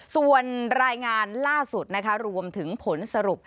ส่วนรายงานล่าสุดนะคะรวมถึงผลสรุป